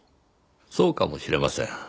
そうかもしれません。